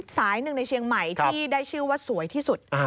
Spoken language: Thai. สายหนึ่งในเชียงใหม่ที่ได้ชื่อว่าสวยที่สุด